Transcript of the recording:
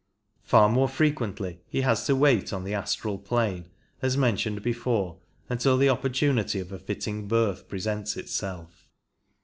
Far more frequently he has to wait on the astral plane, as mentioned before, until the opportunity of a fitting birth presents itself.